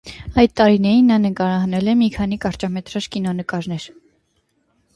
Այդ տարիներին նա նկարահանել է մի քանի կարճամետրաժ կինոնկարներ։